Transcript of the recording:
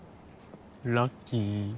ラッキー！